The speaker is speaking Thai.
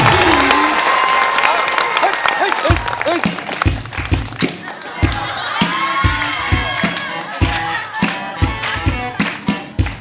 ร้องได้ไข่ล้าง